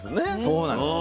そうなんです。